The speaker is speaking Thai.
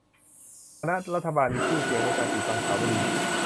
คณะรัฐบาลมีชื่อเสียงในการปิดบังข่าวไม่ดี